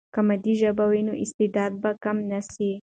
که مادي ژبه وي، نو استعداد به کم نه سي.